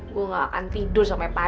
gue gak akan tidur sampai pagi